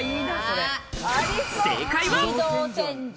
正解は。